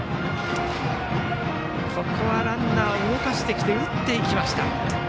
ここはランナーを動かしてきて打っていきました。